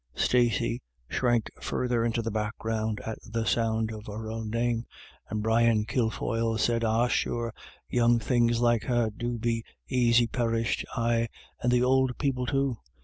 Stacey shrank further into the background at the sound of her own name, and Brian Kilfoyle said :" Ah, sure young things like her do be aisy perished — aye, and the ould people too.